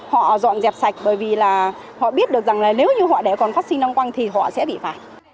họ dọn dẹp sạch bởi vì là họ biết được rằng là nếu như họ để còn vaccine lăng quăng thì họ sẽ bị phạt